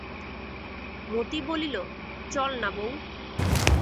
মতি বলিল, চল না বউ?